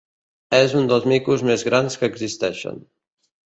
És un dels micos més grans que existeixen.